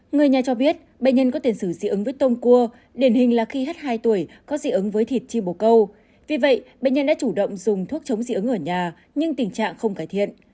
người nhà cho biết bệnh nhân có tiền sử dị ứng với tôm cua điển hình là khi hết hai tuổi có dị ứng với thịt chi bổ câu vì vậy bệnh nhân đã chủ động dùng thuốc chống dị ứng ở nhà nhưng tình trạng không cải thiện